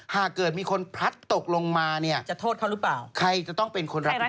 หากเกิดมีคนพลัดตกลงมาเนี่ยจะโทษเขาหรือเปล่าใครจะต้องเป็นคนรับผิดชอบ